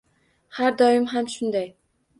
— Har doim ham shunday.